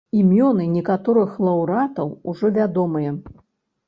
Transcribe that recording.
Імёны некаторых лаўрэатаў ужо вядомыя.